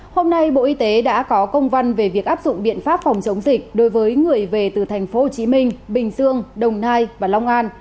hôm nay bộ y tế đã có công văn về việc áp dụng biện pháp phòng chống dịch đối với người về từ thành phố hồ chí minh bình dương đồng nai và long an